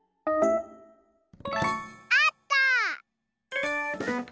あった！